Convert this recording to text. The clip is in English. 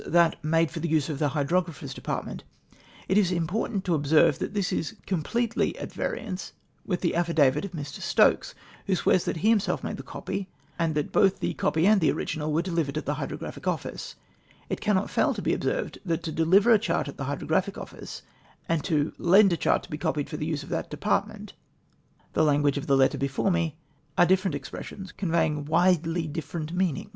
that 'made for the use of the Hydrographer's departrnxCut.' It is important to observe that this is crympletely cd variance vjith the affidavit of Mr. Stokes, who swears that ' he himself made the cojjy,^ and that ' both the copy and the origincd ivere delivered cd theHydrogrcvphic Office /' It cannot fail to be observed, that to ' deliver ' a chart at the Hydrographic Office, and to 'lend a chart to be copied for the use of that department' — the language of the letter before me — a,re different expressions, conveying widely dif ferent meanings.